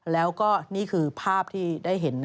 แล้วก็นี่คือภาพที่ได้เห็น